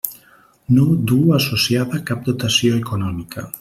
No duu associada cap dotació econòmica.